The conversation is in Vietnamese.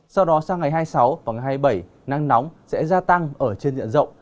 sau đó sang ngày hai mươi sáu và ngày hai mươi bảy nắng nóng sẽ gia tăng ở trên diện rộng